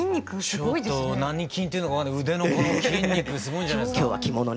ちょっと何筋っていうのか分かんない腕のこの筋肉すごいんじゃないですか。